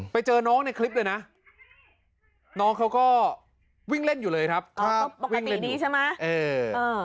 ไปเจอน้องในคลิปเลยนะน้องเขาก็วิ่งเล่นอยู่เลยครับปกตินี้ใช่ไหม